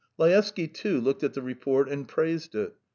Laevsky, too, looked at the report and praised it.